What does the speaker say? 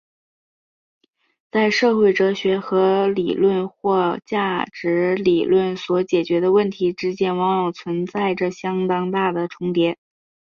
在社会哲学和伦理或价值理论所解决的问题之间往往存在着相当大的重叠。